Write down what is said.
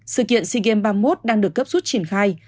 sự kiện sea games ba mươi một đang được cấp rút triển khai